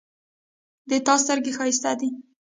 د تا سترګې ښایسته دي